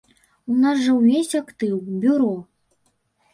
У нас жа ўвесь актыў, бюро.